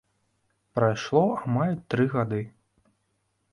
Прайшло амаль тры гады.